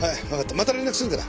また連絡するから。